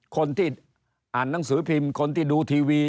คนที่อ่านหนังสือพิมพ์คนที่ดูทีวี